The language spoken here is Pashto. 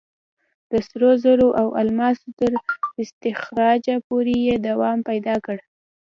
د سرو زرو او الماسو تر استخراجه پورې یې دوام پیدا کړ.